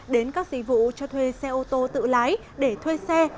đến các dịch vụ cho thuê xe ô tô tự lái để thuê xe